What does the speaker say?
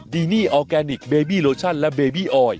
ดีนี่ออร์แกนิคเบบี้โลชั่นและเบบี้ออย